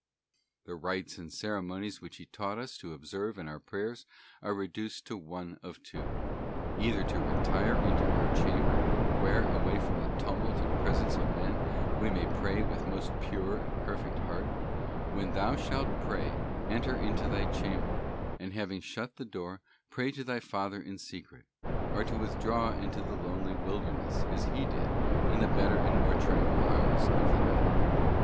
The rites and ceremonies which He taught us to observe in our prayers are reduced to one of two; either to retire into our chamber, where, away from the tumult and presence of men, we may pray with most pure and perfect heart— 'When thou shalt pray, enter into thy chamber, and having shut the door, pray to thy Father in secret ;'{ or to withdraw into the lonely wilderness, as He did, in the better and more tranquil hours of the night.